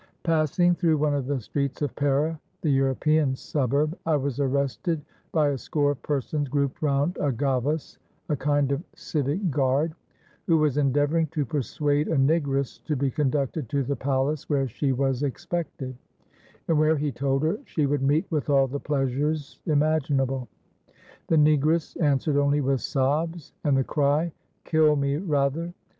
"Passing through one of the streets of Pera (the European suburb), I was arrested by a score of persons grouped round a gavas (a kind of civic guard) who was endeavouring to persuade a negress to be conducted to the palace where she was expected, and where, he told her, she would meet with all the pleasures imaginable. The negress answered only with sobs, and the cry, 'Kill me rather!'